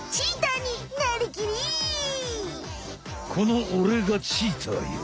このおれがチーターよ！